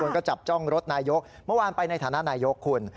ก็จับจ้องรถนายกเมื่อวานไปในฐานะนายกคุณ